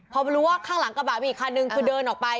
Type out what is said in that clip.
พอมารู้ว่าข้างหลังกระบะมีอีกคันนึงคือเดินออกไป